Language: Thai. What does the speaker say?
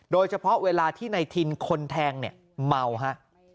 โดยเฉพาะเวลาที่ในทินคนแทงเมา